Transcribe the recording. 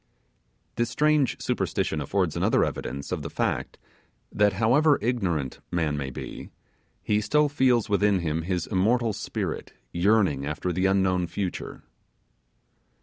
This strange superstition affords another evidence of the fact, that however ignorant man may be, he still feels within him his immortal spirit yearning, after the unknown future.